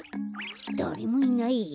だれもいないや。